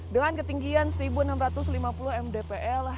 dengan ketinggian seribu enam ratus lima puluh mdpl